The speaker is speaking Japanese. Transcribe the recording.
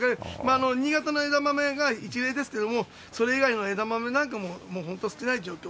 新潟の枝豆が一例ですけれども、それ以外の枝豆なんかももう本当、少ない状況。